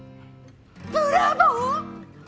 ブラボー！